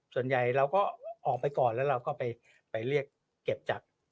ส่วนใหญ่เราก็ออกไปก่อนแล้วเราก็ไปเรียกเก็บจาก